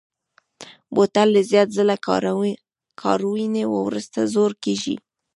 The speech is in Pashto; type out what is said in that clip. بوتل له زیات ځله کارونې وروسته زوړ کېږي.